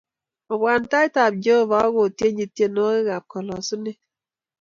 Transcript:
Obwa tait ab Jehovah akotienchu tienwokik a kalasunet